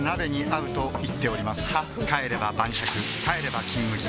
帰れば晩酌帰れば「金麦」